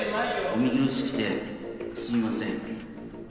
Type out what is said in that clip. お見苦しくてすみません。